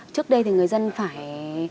trước đây thì người dân phải